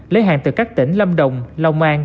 lấy hàng từ các tỉnh lâm đồng lòng an